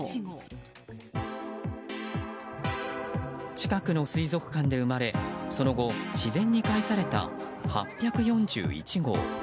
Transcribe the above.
近くの水族館で生まれ、その後自然にかえされた８４１号。